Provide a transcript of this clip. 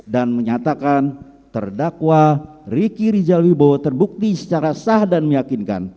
dan menyatakan terdakwa diri jalibowo terbukti secara sah dan meyakinkan